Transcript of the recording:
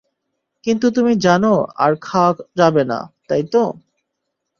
কিন্তু তুমি জানো আর খাওয়া যাবে না, তাই তো?